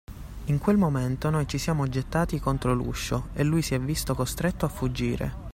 In quel momento noi ci siamo gettati contro l'uscio e lui si è visto costretto a fuggire.